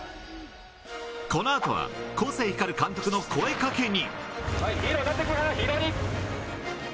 このあとは個性光る監督の声かけに。